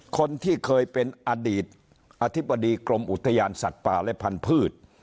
คนที่เคยเป็นอดีตอธิบดีกรมอุทยานสัตว์ป่าและพันธุ์